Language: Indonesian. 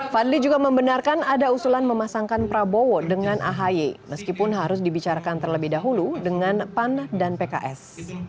fadli juga membenarkan ada usulan memasangkan prabowo dengan ahy meskipun harus dibicarakan terlebih dahulu dengan pan dan pks